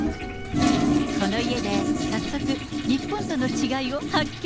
この家で、早速、日本との違いを発見。